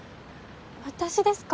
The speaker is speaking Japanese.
私ですか？